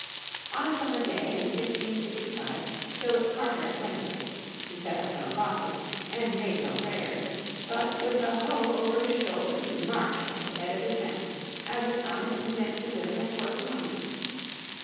On a summer day in 1665 Philip Carteret landed. He set up no crosses, and made no prayers, but with a hoe over his shoulder he marched at the head of his men, as a sign that he meant to live and work among them.